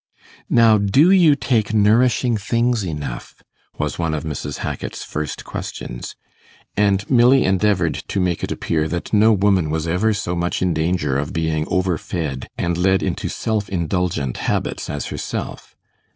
'Now do you take nourishing things enough?' was one of Mrs. Hackit's first questions, and Milly endeavoured to make it appear that no woman was ever so much in danger of being over fed and led into self indulgent habits as herself.